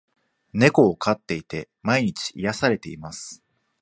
猫を飼っていて、毎日癒されています。